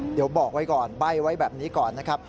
เดี๋ยวบอกไว้ก่อนใบ้ไว้แบบนี้ก่อนนะครับ